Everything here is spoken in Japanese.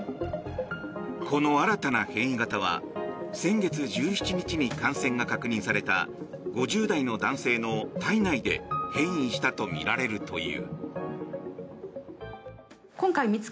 この新たな変異型は先月１７日に感染が確認された５０代の男性の体内で変異したとみられるという。